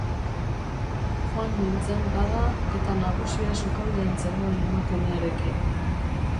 Joan nintzen, bada, eta nagusia sukaldean zegoen emakumearekin.